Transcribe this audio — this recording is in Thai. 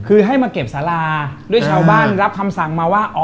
คือให้มาเก็บสาราด้วยชาวบ้านรับคำสั่งมาว่า